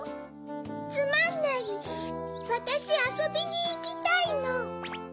「つまんないわたしあそびにいきたいの」。